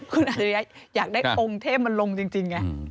คุณอาริยะอยากได้องค์เทพมันลงจริงไง